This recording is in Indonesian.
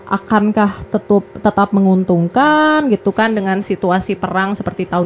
akankah tetap menguntungkan dengan situasi perang seperti tahun dua ribu dua puluh dua